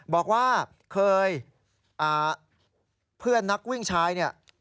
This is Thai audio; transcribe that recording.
บอกว่าเคยเพื่อนนักวิ่งชายเนี่ย